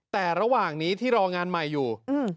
แต่ระหว่างนี้ที่รองานใหม่อยู่